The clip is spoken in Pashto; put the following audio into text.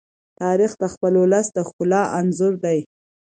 تاریخ د خپل ولس د ښکلا انځور دی.